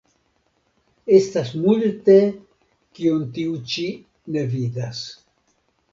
Estas multe, kion tiu ĉi ne vidas.